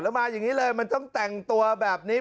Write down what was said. แล้วมาอย่างนี้เลยมันต้องแต่งตัวแบบนี้